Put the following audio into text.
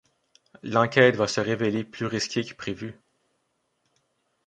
L'enquête va se révéler plus risquée que prévu...